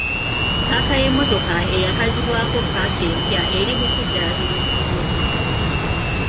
Paaka y'emmotoka eyakazibwako paaka empya eri mu kuddaabirizibwa.